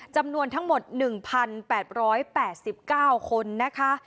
จำนวนทั้งหมด๑๘๘๙คนนะคะ